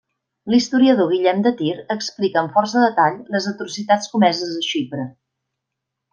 L'historiador Guillem de Tir explica amb força detall les atrocitats comeses a Xipre.